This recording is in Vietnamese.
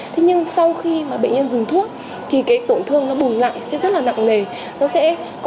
thế nhưng sau khi bệnh nhân dùng thuốc tổn thương bùng lại rất nặng nề